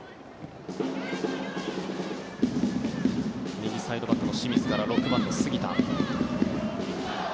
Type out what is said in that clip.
右サイドバックの清水から６番の杉田。